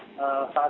jadi ada dua tempat